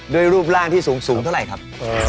รูปร่างที่สูงเท่าไหร่ครับ